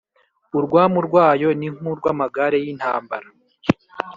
Urwamu rwayo ni nk’urw’amagare y’intambara